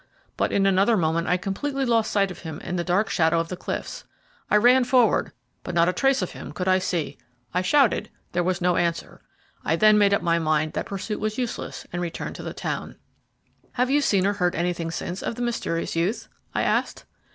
but in another moment I completely lost sight of him in the dark shadow of the cliffs. I ran forward, but not a trace of him could I see. I shouted; there was no answer. I then made up my mind that pursuit was useless, and returned to the town." "Have you seen or heard anything since of the mysterious youth?" I asked.